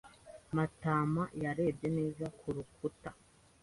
Matama yarebye neza ku rukuta.